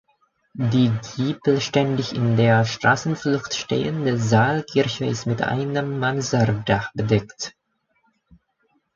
Die giebelständig in der Straßenflucht stehende Saalkirche ist mit einem Mansarddach bedeckt.